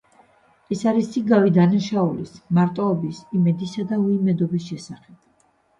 ეს არის იგავი დანაშაულის, მარტოობის, იმედისა და უიმედობის შესახებ.